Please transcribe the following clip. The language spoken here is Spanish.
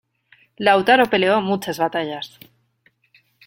Lautaro peleó muchas batallas.